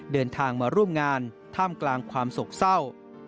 เดินทางมาร่วมงานท่ามกลางความโศกเศร้า